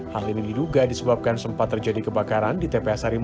hal ini diduga disebabkan sempat terjadi kebakaran di tpa